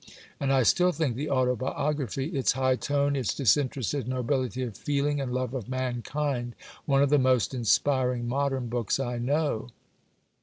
And I still think the Autobiography, its high tone, its disinterested nobility of feeling and love of mankind, one of the most inspiring (modern) books I know.